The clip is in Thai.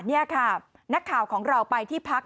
นี่ค่ะนักข่าวของเราไปที่พัก